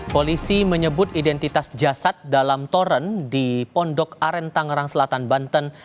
polisi menyebut identitas jasad dalam toren di pondok aren tangerang selatan banten